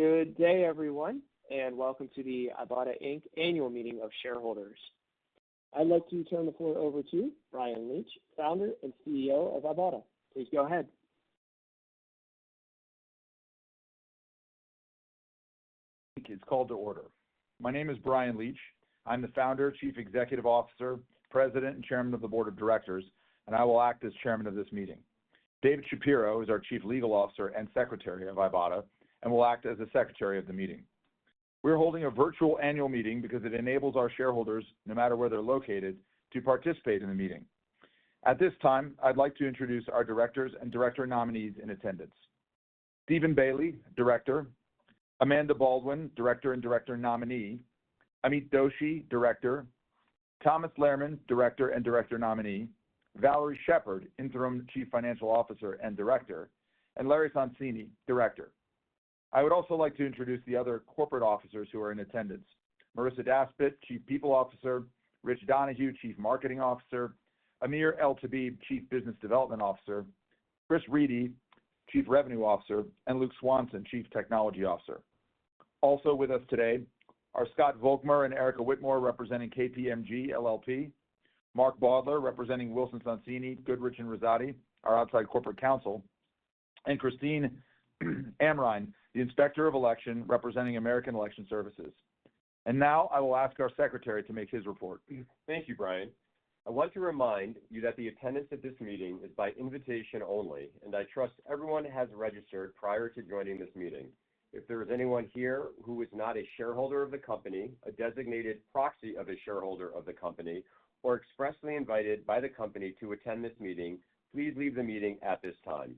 Good day, everyone, and welcome to the Ibotta annual meeting of shareholders. I'd like to turn the floor over to Bryan Leach, founder and CEO of Ibotta. Please go ahead. It's called to order. My name is Bryan Leach. I'm the Founder, Chief Executive Officer, President, and Chairman of the Board of Directors, and I will act as Chairman of this meeting. David Shapiro is our Chief Legal Officer and Secretary of Ibotta and will act as the Secretary of the meeting. We're holding a virtual annual meeting because it enables our shareholders, no matter where they're located, to participate in the meeting. At this time, I'd like to introduce our Directors and Director nominees in attendance: Stephen Bailey, Director; Amanda Baldwin, Director and Director nominee; Amit Doshi, Director; Thomas Lehrman, Director and Director nominee; Valarie Sheppard, Interim Chief Financial Officer and Director; and Larry Sonsini, Director. I would also like to introduce the other corporate officers who are in attendance: Marissa Daspit, Chief People Officer; Rich Donohue, Chief Marketing Officer; Amir Eltabiib, Chief Business Development Officer; Chris Riedy, Chief Revenue Officer; and Luke Swanson, Chief Technology Officer. Also with us today are Scott Volkmer and Erica Whitmore representing KPMG LLP, Mark Baudler representing Wilson Sonsini Goodrich & Rosati, our outside corporate counsel, and Christine Amrein, the inspector of election representing American Election Services. I will now ask our Secretary to make his report. Thank you, Bryan. I want to remind you that the attendance at this meeting is by invitation only, and I trust everyone has registered prior to joining this meeting. If there is anyone here who is not a shareholder of the company, a designated proxy of a shareholder of the company, or expressly invited by the company to attend this meeting, please leave the meeting at this time.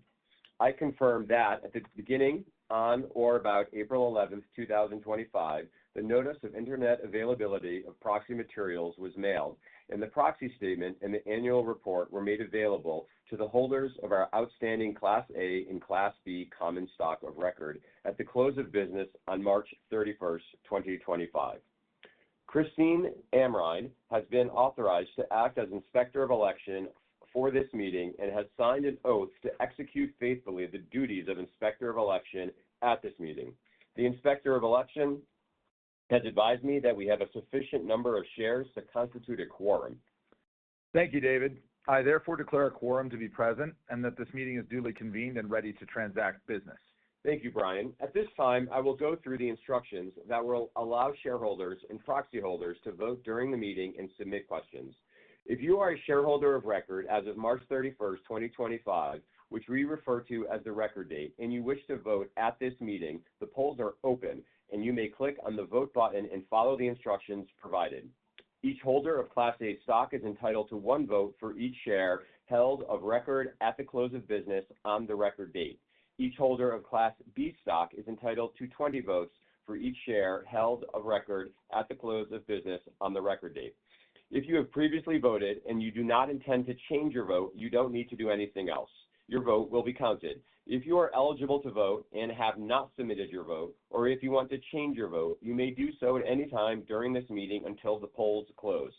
I confirm that at the beginning, on or about April 11, 2025, the notice of internet availability of proxy materials was mailed, and the proxy statement and the annual report were made available to the holders of our outstanding Class A and Class B common stock of record at the close of business on March 31, 2025. Christine Amrein has been authorized to act as inspector of election for this meeting and has signed an oath to execute faithfully the duties of inspector of election at this meeting. The inspector of election has advised me that we have a sufficient number of shares to constitute a quorum. Thank you, David. I therefore declare a quorum to be present and that this meeting is duly convened and ready to transact business. Thank you, Bryan. At this time, I will go through the instructions that will allow shareholders and proxy holders to vote during the meeting and submit questions. If you are a shareholder of record as of March 31, 2025, which we refer to as the record date, and you wish to vote at this meeting, the polls are open, and you may click on the vote button and follow the instructions provided. Each holder of Class A stock is entitled to one vote for each share held of record at the close of business on the record date. Each holder of Class B stock is entitled to 20 votes for each share held of record at the close of business on the record date. If you have previously voted and you do not intend to change your vote, you don't need to do anything else. Your vote will be counted. If you are eligible to vote and have not submitted your vote, or if you want to change your vote, you may do so at any time during this meeting until the polls close.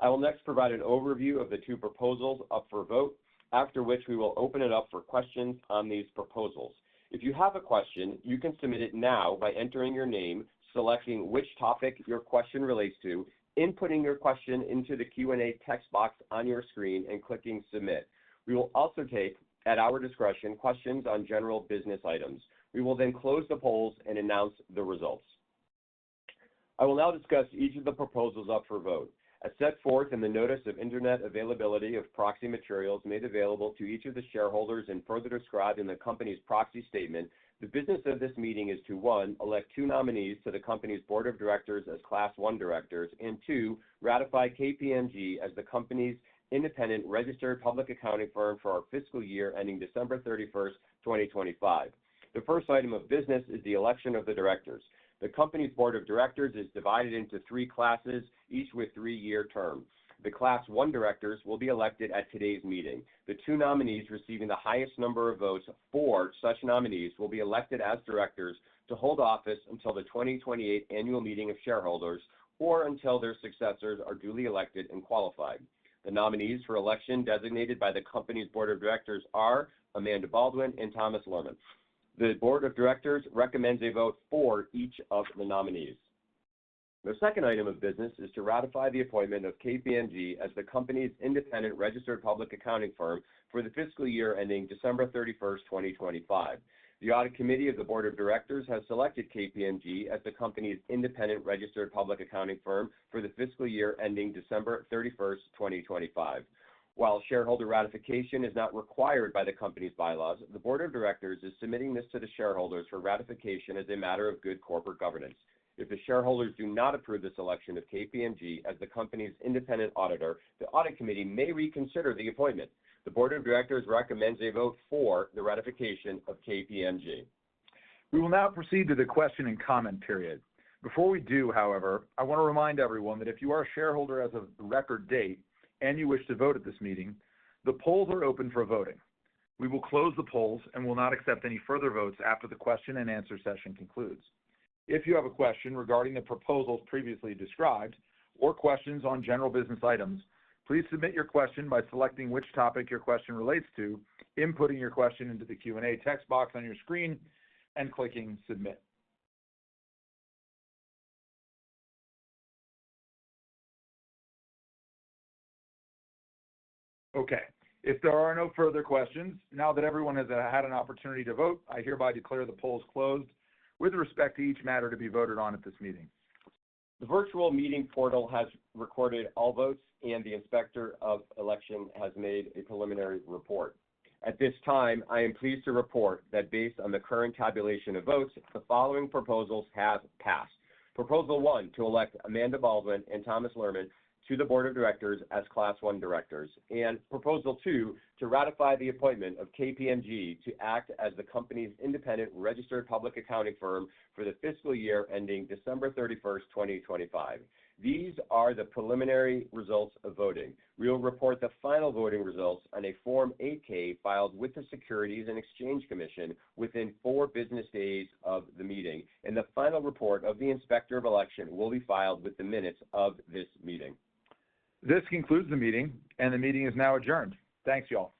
I will next provide an overview of the two proposals up for vote, after which we will open it up for questions on these proposals. If you have a question, you can submit it now by entering your name, selecting which topic your question relates to, inputting your question into the Q&A text box on your screen, and clicking submit. We will also take, at our discretion, questions on general business items. We will then close the polls and announce the results. I will now discuss each of the proposals up for vote. As set forth in the notice of internet availability of proxy materials made available to each of the shareholders and further described in the company's proxy statement, the business of this meeting is to, one, elect two nominees to the company's Board of Directors as Class 1 Directors, and two, ratify KPMG as the company's independent registered public accounting firm for our fiscal year ending December 31, 2025. The first item of business is the election of the Directors. The company's Board of Directors is divided into three classes, each with three-year terms. The Class 1 Directors will be elected at today's meeting. The two nominees receiving the highest number of votes for such nominees will be elected as Directors to hold office until the 2028 annual meeting of shareholders or until their successors are duly elected and qualified. The nominees for election designated by the company's Board of Directors are Amanda Baldwin and Thomas Lehrman. The Board of Directors recommends a vote for each of the nominees. The second item of business is to ratify the appointment of KPMG as the company's independent registered public accounting firm for the fiscal year ending December 31, 2025. The audit committee of the Board of Directors has selected KPMG as the company's independent registered public accounting firm for the fiscal year ending December 31, 2025. While shareholder ratification is not required by the company's bylaws, the Board of Directors is submitting this to the shareholders for ratification as a matter of good corporate governance. If the shareholders do not approve this election of KPMG as the company's independent auditor, the audit committee may reconsider the appointment. The Board of Directors recommends a vote for the ratification of KPMG. We will now proceed to the question and comment period. Before we do, however, I want to remind everyone that if you are a shareholder as of the record date and you wish to vote at this meeting, the polls are open for voting. We will close the polls and will not accept any further votes after the question and answer session concludes. If you have a question regarding the proposals previously described or questions on general business items, please submit your question by selecting which topic your question relates to, inputting your question into the Q&A text box on your screen, and clicking submit. Okay. If there are no further questions, now that everyone has had an opportunity to vote, I hereby declare the polls closed with respect to each matter to be voted on at this meeting. The virtual meeting portal has recorded all votes, and the inspector of election has made a preliminary report. At this time, I am pleased to report that based on the current tabulation of votes, the following proposals have passed: Proposal 1 to elect Amanda Baldwin and Thomas Lehrman to the Board of Directors as Class 1 Directors, and Proposal 2 to ratify the appointment of KPMG to act as the company's independent registered public accounting firm for the fiscal year ending December 31, 2025. These are the preliminary results of voting. We will report the final voting results on a Form 8-K filed with the Securities and Exchange Commission within four business days of the meeting, and the final report of the inspector of election will be filed with the minutes of this meeting. This concludes the meeting, and the meeting is now adjourned. Thanks, y'all.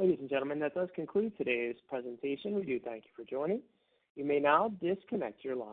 Ladies and gentlemen, that does conclude today's presentation. We do thank you for joining. You may now disconnect your lines.